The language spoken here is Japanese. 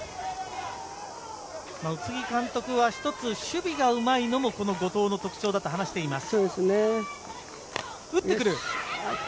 宇津木監督は１つ、守備がうまいのもこの後藤の特徴だと話しています。